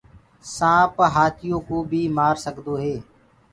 سآنٚپ هآتِيوڪو بي مآرسگدوئي